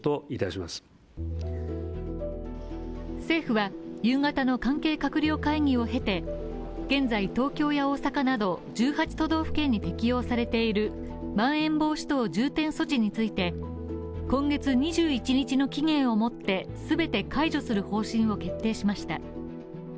政府は、夕方の関係閣僚会議を経て現在、東京や大阪など１８都道府県に適用されているまん延防止等重点措置について今月２１日の期限をもって全て解除する方針を決定しました。